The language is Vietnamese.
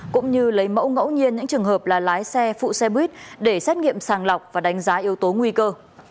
cũng như lấy mẫu ngẫu nhiên những trường hợp là lái xe phụ xe buýt để xét nghiệm sàng lọc và đánh giá yếu tố nguy cơ